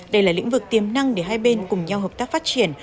đây là lĩnh vực tiềm năng để hai bên cùng nhau hợp tác phát triển